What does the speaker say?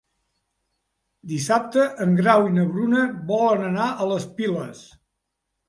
Dissabte en Grau i na Bruna volen anar a les Piles.